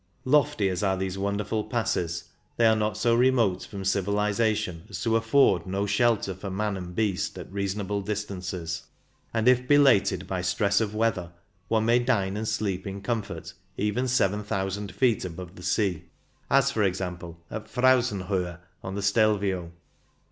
Lofty as are these wonderful passes, they are not so remote from civilization as to afford no shelter for man and beast at reasonable distances, and, if belated by stress of weather, one may dine and sleep in comfort even seven thousand feet above the sea; as, for example, at Frauzenhohe, on the Stelvio.